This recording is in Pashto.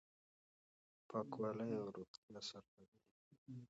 پاکوالی او روغتیا سره تړلي دي.